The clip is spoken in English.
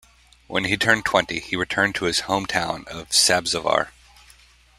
When he turned twenty, he returned to his hometown of Sabzavar.